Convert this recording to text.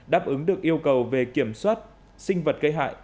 đáp ứng được yêu cầu về kiểm soát sinh vật gây hại